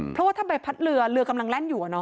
เพราะว่าถ้าใบพัดเรือเรือกำลังแล่นอยู่